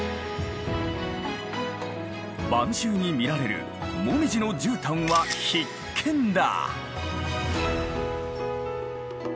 晩秋に見られる紅葉のじゅうたんは必見だ。